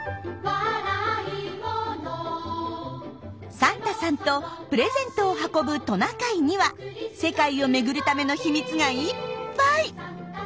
サンタさんとプレゼントを運ぶトナカイには世界を巡るための秘密がいっぱい！